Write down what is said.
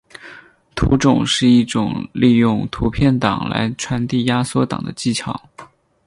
图种是一种利用图片档来传递压缩档的技巧。